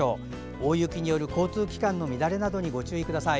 大雪による交通機関の乱れなどにご注意ください。